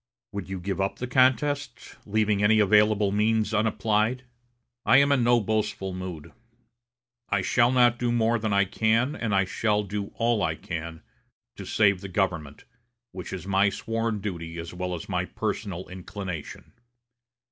Would you give up the contest, leaving any available means unapplied? I am in no boastful mood. I shall not do more than I can, and I shall do all I can, to save the government, which is my sworn duty as well as my personal inclination.